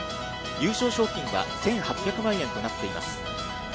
優勝賞金は１８００万円となっています。